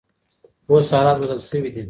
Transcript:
اوس حالات بدل شوي دي.